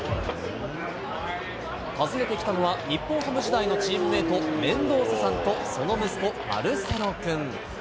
訪ねてきたのは、日本ハム時代のチームメート、メンドーサさんと、その息子、マルセロ君。